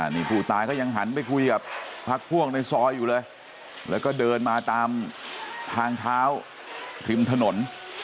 นี่ผู้ตายก็ยังหันไปคุยกับพักพวกในซอยอยู่เลยแล้วก็เดินมาตามทางเท้าริมถนน